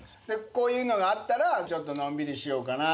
こういうのがあったらちょっとのんびりしようかな。